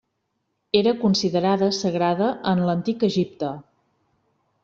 Era considerada sagrada en l'antic Egipte.